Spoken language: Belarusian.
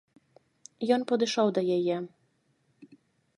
Ён падышоў да яе.